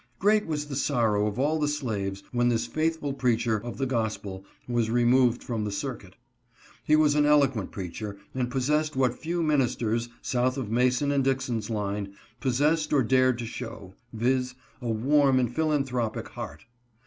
Great was the sorrow of all the slaves when this faithful preacher of the gospel was removed from the circuit. He was an eloquent preacher, and possessed what few min isters, south of Mason and Dixon's line, possessed or dared to show ; viz., a warm and philanthropic heart.